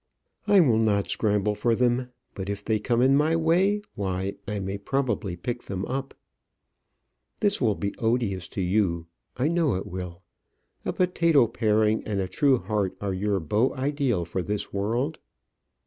I will not scramble for them; but if they come in my way, why, I may probably pick them up. This will be odious to you. I know it will. A potato paring and a true heart are your beau ideal for this world.